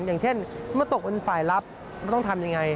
อย่างเช่นเมื่อตกเป็นฝ่ายลับต้องทำยังไง